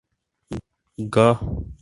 گا